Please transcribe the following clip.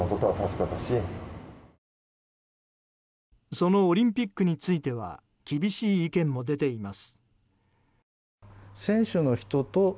そのオリンピックについては厳しい意見も出ています。